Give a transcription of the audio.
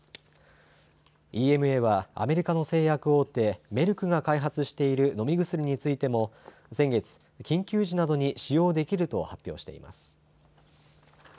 ＥＭＡはアメリカの製薬大手、メルクが開発している飲み薬についても先月、緊急時などに使用できると発表しています。